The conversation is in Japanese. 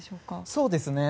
そうですね。